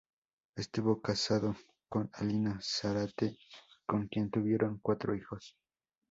Estuvo casado con Alina Zárate, con quien tuvieron cuatro hijos.